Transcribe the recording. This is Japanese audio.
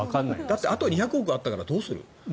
だって、あと２００億あったからどうする？